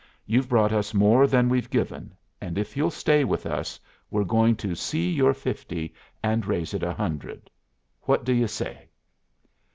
You've brought us more than we've given, and if you'll stay with us we're going to 'see' your fifty and raise it a hundred. What do you say?"